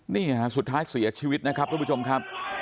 นี่ฮะสุดท้ายเสียชีวิตนะครับทุกผู้ชมครับ